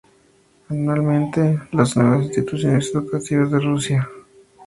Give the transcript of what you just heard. Anualmente, las nuevas instituciones educativas de Rusia se unen a esta campaña.